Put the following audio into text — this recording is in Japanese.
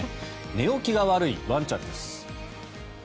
寝起きが悪いワンちゃんです。